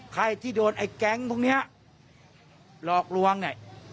ใครที่โดนไอ้แก๊งพวกนี้หลอกลวงเนี่ย